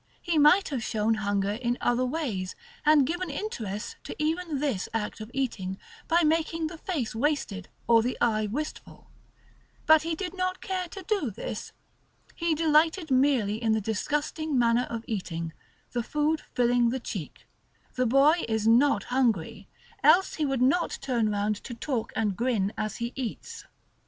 He might have shown hunger in other ways, and given interest to even this act of eating, by making the face wasted, or the eye wistful. But he did not care to do this. He delighted merely in the disgusting manner of eating, the food filling the cheek; the boy is not hungry, else he would not turn round to talk and grin as he eats.